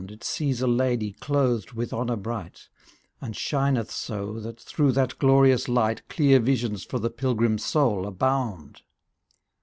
It sees a lady clothed with honour bright, And shineth so, that through that glorious light Clear visions for the pilgrim soul abound.